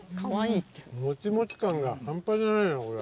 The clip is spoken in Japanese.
もちもち感が半端じゃないこれ。